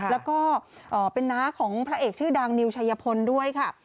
แล้วก็เป็นน้าของพระเอกชื่อดังนิวชัยพลด้วยค่ะ